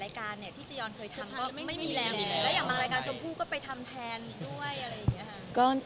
แล้วอย่างบางรายการชมผู้ก็ไปทำแทนด้วยอะไรอย่างเงี้ยครับ